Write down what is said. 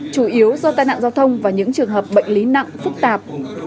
chủ yếu do tai nạn giao thông và những trường hợp bệnh lý nặng phức tạp